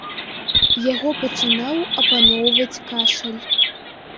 Яго пачынаў апаноўваць кашаль.